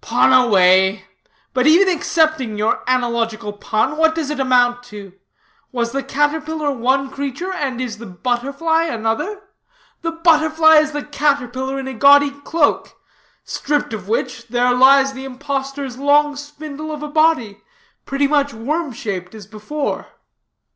"Pun away; but even accepting your analogical pun, what does it amount to? Was the caterpillar one creature, and is the butterfly another? The butterfly is the caterpillar in a gaudy cloak; stripped of which, there lies the impostor's long spindle of a body, pretty much worm shaped as before."